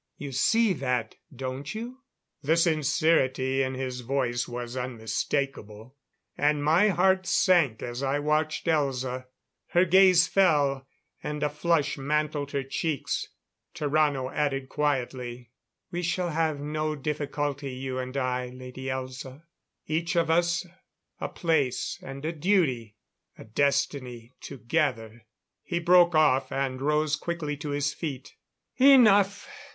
You see that, don't you?" The sincerity in his voice was unmistakable. And my heart sank as I watched Elza. Her gaze fell, and a flush mantled her cheeks. Tarrano added quietly: "We shall have no difficulty, you and I, Lady Elza. Each of us a place, and a duty. A destiny together...." He broke off and rose quickly to his feet. "Enough.